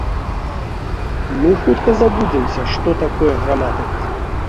Мы хутка забудземся, што такое граматыка.